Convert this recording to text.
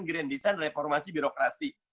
grandisan reformasi birokrasi